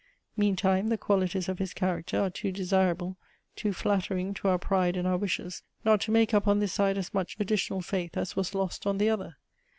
Meantime the qualities of his character are too desirable, too flattering to our pride and our wishes, not to make up on this side as much additional faith as was lost on the other.